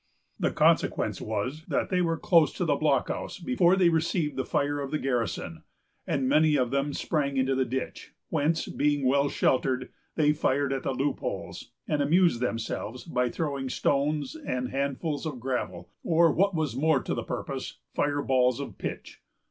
The consequence was, that they were close to the blockhouse before they received the fire of the garrison; and many of them sprang into the ditch, whence, being well sheltered, they fired at the loopholes, and amused themselves by throwing stones and handfuls of gravel, or, what was more to the purpose, fire balls of pitch.